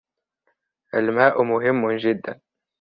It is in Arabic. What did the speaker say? الماء مهم جدا.